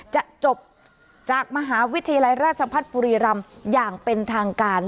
จะจบจากมหาวิทยาลัยราชพัฒน์บุรีรำอย่างเป็นทางการ